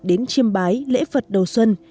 đến chiêm bái lễ phật đầu xuân